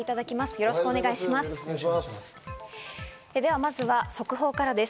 よろしくお願いします。